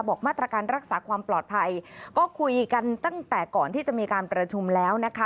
มาตรการรักษาความปลอดภัยก็คุยกันตั้งแต่ก่อนที่จะมีการประชุมแล้วนะคะ